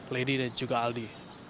lady dan juga aldi